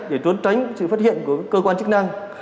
để trốn tránh sự phát hiện của cơ quan chức năng